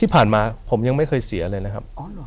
อ๋อหรอฮะ